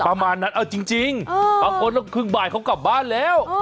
ประมาณนั้นเอาจริงบางคนแล้วครึ่งบ่ายเขากลับบ้านแล้ว